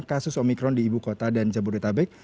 kasus omikron di ibu kota dan jabodetabek